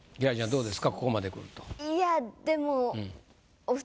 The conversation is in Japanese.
どうですか？